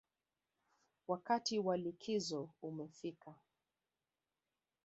Wakati wa likizo umefika